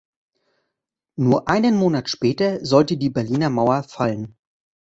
Nur einen Monat später sollte die Berliner Mauer fallen.